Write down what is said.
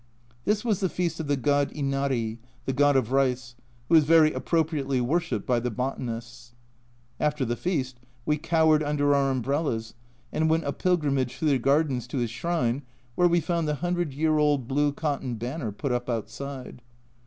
This was the feast of the God Inari (the God of Rice), who is very appropriately worshipped by the botanists. After the feast we cowered under our umbrellas and went a pilgrimage through the gardens to his shrine, where we found the hundred year old blue cotton banner put up outside.